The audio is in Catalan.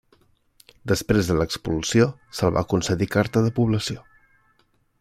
Després de l'expulsió, se'l va concedir carta de població.